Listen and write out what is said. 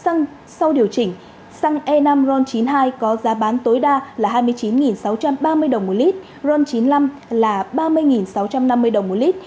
xăng sau điều chỉnh xăng e năm ron chín mươi hai có giá bán tối đa là hai mươi chín sáu trăm ba mươi đồng một lít ron chín mươi năm là ba mươi sáu trăm năm mươi đồng một lít